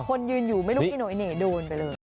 คนยืนอยู่ไม่รู้กินไหนโดนไปเลย